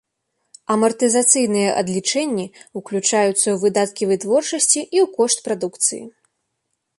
Амартызацыйныя адлічэнні ўключаюцца ў выдаткі вытворчасці і ў кошт прадукцыі.